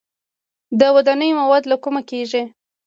د ودانیو مواد له کومه کیږي؟